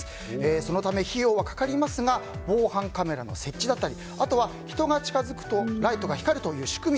そのため費用はかかりますが防犯カメラの設置だったりあとは人が近づくとライトが光るという仕組み